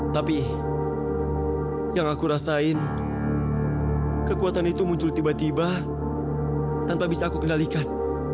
tapi yang aku rasain kekuatan itu muncul tiba tiba tanpa bisa aku kendalikan